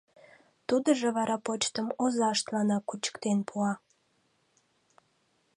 Тудыжо вара почтым озаштланак кучыктен пуа.